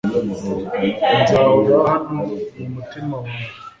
Nzahora hano mumutima wawe